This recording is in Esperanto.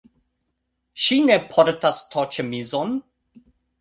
Ŝi ne portas to-ĉemizon